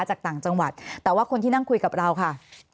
จากต่างจังหวัดแต่ว่าคนที่นั่งคุยกับเราค่ะ